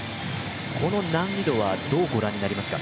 この難易度はどうご覧になりますか？